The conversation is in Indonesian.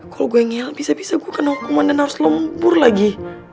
kalau gue ngel bisa bisa gue kena hukuman dan harus lumpur lagi